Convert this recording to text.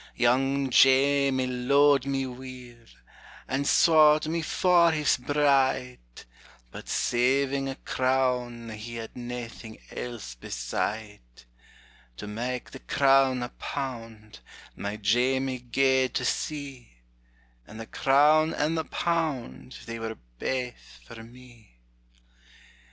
Young Jamie lo'ed me weel, and sought me for his bride; But saving a crown, he had naething else beside. To mak' the crown a pound, my Jamie gaed to sea; And the crown and the pound, they were baith for me!